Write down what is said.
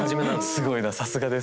すごいなさすがです。